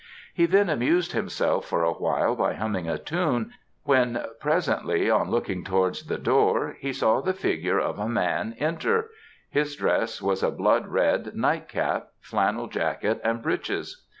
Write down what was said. He then amused himself for a while by humming a tune, when presently on looking towards the door, he saw the figure of a man enter his dress was a blood red night cap, flannel jacket, and breeches.